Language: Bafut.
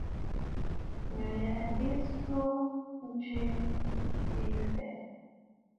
Nû yà ɨ swu jiʼì swù fɛɛ̀.